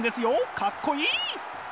かっこいい！